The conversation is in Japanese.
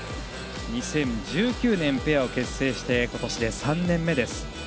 ２０１９年、ペアを結成して今年で３年目です。